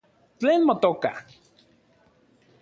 ¿Tlen motoka?